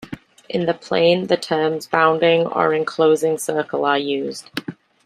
In the plane the terms bounding or enclosing circle are used.